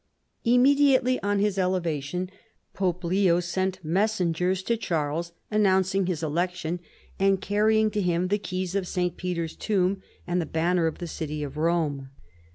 Immediately on his elevation, Pope Leo sent mes sengers to Charles announcing his election and carry ing to him the keys of St. Peter's tomb and the banner of the city of Rome.